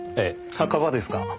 墓場ですか。